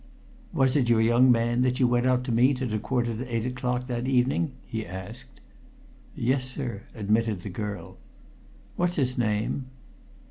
"Was it your young man that you went out to meet at a quarter to eight o'clock that evening?" he asked. "Yes, sir," admitted the girl. "What's his name?"